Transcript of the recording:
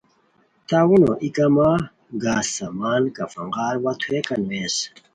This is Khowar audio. تاوینو ای کما گز سان کفن غار وا تھوویکو ویز